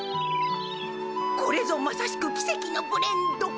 これぞまさしく奇跡のブレンド。